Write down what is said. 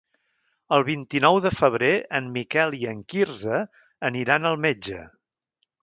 El vint-i-nou de febrer en Miquel i en Quirze aniran al metge.